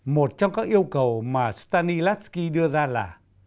một trong các yêu cầu mà stanislavski đưa ra là